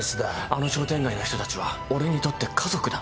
あの商店街の人たちは俺にとって家族だ。